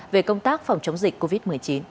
về công tác phòng chống dịch covid một mươi chín